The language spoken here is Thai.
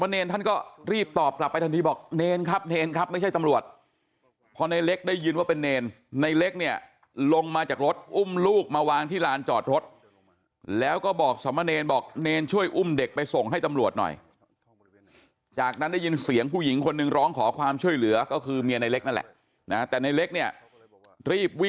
เนรท่านก็รีบตอบกลับไปทันทีบอกเนรครับเนรครับไม่ใช่ตำรวจพอในเล็กได้ยินว่าเป็นเนรในเล็กเนี่ยลงมาจากรถอุ้มลูกมาวางที่ลานจอดรถแล้วก็บอกสมเนรบอกเนรช่วยอุ้มเด็กไปส่งให้ตำรวจหน่อยจากนั้นได้ยินเสียงผู้หญิงคนหนึ่งร้องขอความช่วยเหลือก็คือเมียในเล็กนั่นแหละนะแต่ในเล็กเนี่ยรีบ